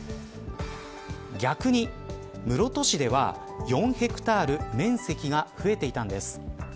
逆に室戸市では４ヘクタール面積が増えていたんです。